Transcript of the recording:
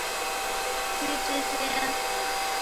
区之前。